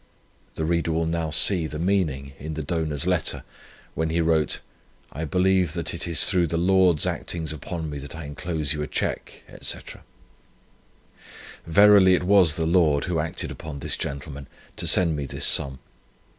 The reader will now see the meaning in the donor's letter, when he wrote 'I believe that it is through the Lord's actings upon me that I enclose you a cheque, &c.' Verily it was the Lord who acted upon this gentleman, to send me this sum.